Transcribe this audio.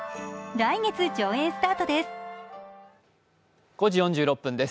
来月上演スタートです。